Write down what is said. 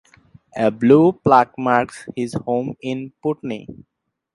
A blue plaque marks his home in Putney.